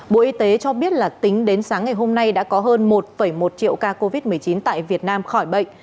bộ y tế cho biết là tính đến sáng ngày hôm nay đã có hơn một một triệu ca covid một mươi chín tại việt nam khỏi bệnh